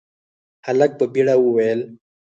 هلک په بيړه وويل: